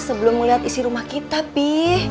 sebelum mau lihat isi rumah kita bi